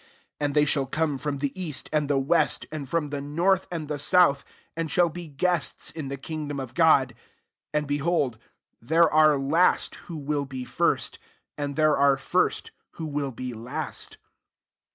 29 And they shall come from the east w»d the west, Mid [/rom] the * So Improred Veinan. Gr. north and the south, and shall be guests in the kingdom of God. 30 And, bdiold, there are last, who will be first, and there are first, who will be last."